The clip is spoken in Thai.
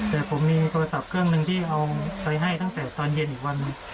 แต่ผมมีโทรศัพท์เครื่องหนึ่งที่เอาไปให้ตั้งแต่ตอนเย็นอีกวัน